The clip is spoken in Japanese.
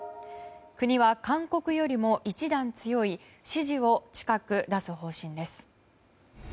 国は勧告よりも一段強い指示を近く出す方針です。